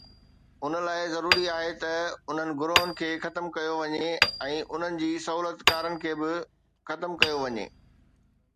ان لاءِ ضروري آهي ته انهن گروهن کي ختم ڪيو وڃي ۽ انهن جي سهولتڪارن کي به ختم ڪيو وڃي